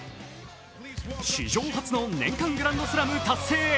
史上初の年間グランドスラム達成へ。